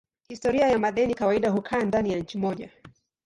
Historia ya madeni kawaida hukaa ndani ya nchi moja.